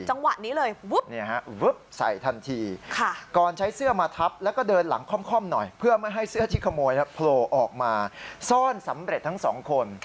จังหวะนี้เลยวึบใส่ทันทีก่อนใช้เสื้อมาทับแล้วก็เดินหลังค่อมหน่อยเพื่อไม่ให้เสื้อที่ขโมยโผล่ออกมาซ่อนสำเร็จทั้งสองคน